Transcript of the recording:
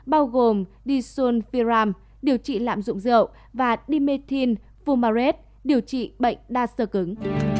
bao gồm disulfiram điều trị lạm dụng rượu và dimethyl fumarate điều trị bệnh đa sơ cứng